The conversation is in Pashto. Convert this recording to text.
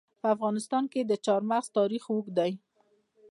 په افغانستان کې د چار مغز تاریخ اوږد دی.